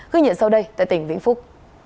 gửi nhận sau đây tại tỉnh vĩnh phúc